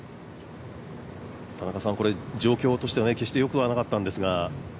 状況としては、決してよくなかったんですが。